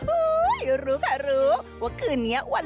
อู้หู้หู้รู้ค่ะรู้ว่าคืนนี้วันรอยกระทง